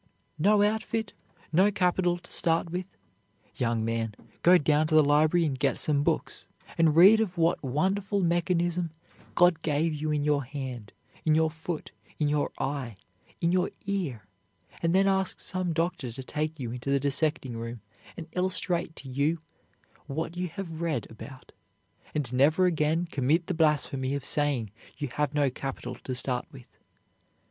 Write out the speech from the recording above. "No outfit, no capital to start with? Young man, go down to the library and get some books, and read of what wonderful mechanism God gave you in your hand, in your foot, in your eye, in your ear, and then ask some doctor to take you into the dissecting room and illustrate to you what you have read about, and never again commit the blasphemy of saying you have no capital to start with.